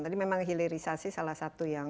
tadi memang hilirisasi salah satu yang